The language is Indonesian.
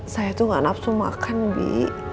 saya tuh gak nafsu makan bi